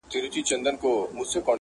تا سالو زما له منګولو کشولای-